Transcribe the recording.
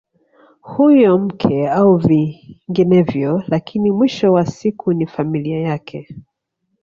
Huyo mke au vinginevyo lakini mwisho wa siku ni familia yake